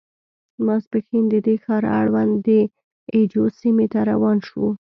ماسپښین د دې ښار اړوند د اي جو سیمې ته روان شوو.